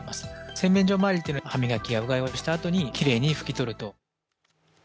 洗面所まわりというのは歯磨き、うがいをしたあとにきれいに拭き取ると。